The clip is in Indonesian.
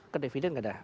ke dividen gak ada